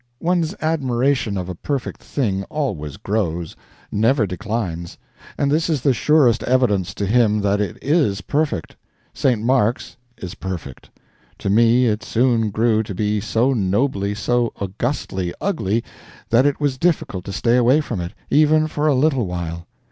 One's admiration of a perfect thing always grows, never declines; and this is the surest evidence to him that it IS perfect. St. Mark's is perfect. To me it soon grew to be so nobly, so augustly ugly, that it was difficult to stay away from it, even for a little while.